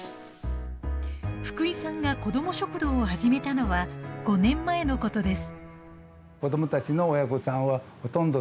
福井さんが子ども食堂を始めたのは５年前のことです